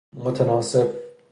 متناسب